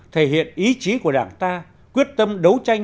thể hiện ý chí của đảng ta quyết tâm đấu tranh